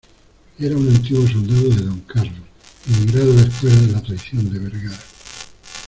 era un antiguo soldado de Don Carlos, emigrado después de la traición de Vergara.